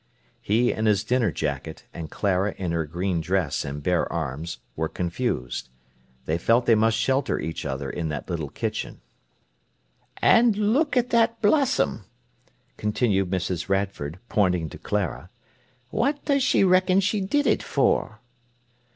He in his dinner jacket, and Clara in her green dress and bare arms, were confused. They felt they must shelter each other in that little kitchen. "And look at that blossom!" continued Mrs. Radford, pointing to Clara. "What does she reckon she did it for?"